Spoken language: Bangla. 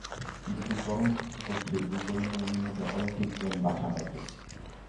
কিন্তু দুই চরম শত্রু গোষ্ঠীর দুই তরুণ-তরুণীর মধ্যে অলৌকিক প্রেম বাসা বাঁধে।